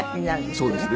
そうですね。